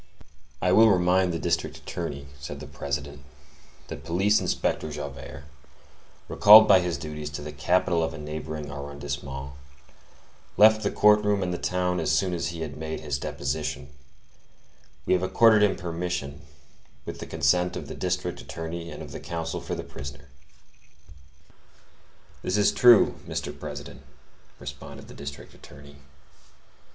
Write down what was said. "I would remind the district attorney," said the President, "that Police Inspector Javert, recalled by his duties to the capital of a neighboring arrondissement, left the court room and the town as soon as he had made his deposition; we have accorded him permission, with the consent of the district attorney and of the counsel for the prisoner." "That is true, Mr. President," responded the district attorney.